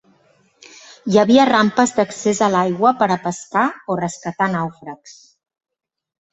Hi havia rampes d'accés a l'aigua per a pescar o rescatar nàufrags.